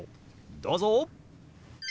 どうぞ！